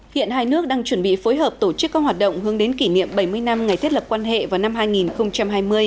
hiện hai nước đang chuẩn bị phối hợp tổ chức các hoạt động hướng đến kỷ niệm bảy mươi năm ngày thiết lập quan hệ vào năm hai nghìn hai mươi